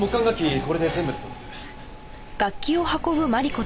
これで全部だそうです。